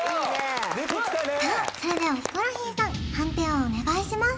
それではヒコロヒーさん判定をお願いします